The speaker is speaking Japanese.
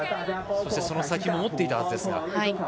そして、その先も持っていたはずですが。